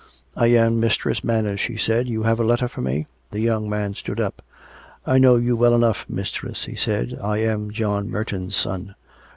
" I am Mistress Manners," she said. " You have a letter for me ?" The young man stood up. " I know you well enough, mistress," he said. " I am John Merton's son."